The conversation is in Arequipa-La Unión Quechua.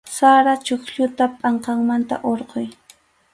Sara chuqlluta pʼanqanmanta hurquy.